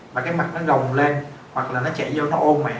và cái mặt nó gồng lên hoặc là nó chạy vô nó ôm ạ